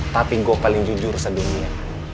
tapi gue paling jujur sedunia